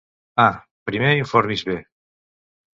A: Primer informi’s bé.